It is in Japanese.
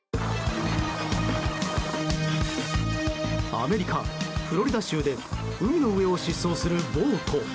アメリカ・フロリダ州で海の上を疾走するボート。